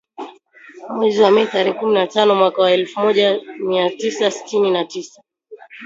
Mwezi Mei, tarehe kumi na tano mwaka wa elfu moja mia tisa sitini na sita.